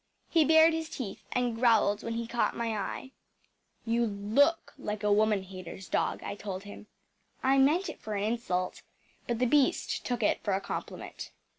He bared his teeth and growled when he caught my eye. “You LOOK like a woman hater’s dog,‚ÄĚ I told him. I meant it for an insult; but the beast took it for a compliment.